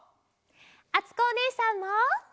あつこおねえさんも！